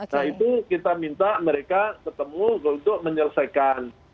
nah itu kita minta mereka ketemu untuk menyelesaikan